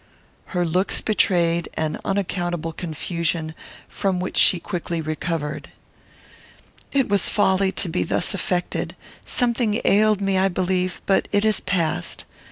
Her looks betrayed an unaccountable confusion, from which she quickly recovered: "It was folly to be thus affected. Something ailed me, I believe, but it is past.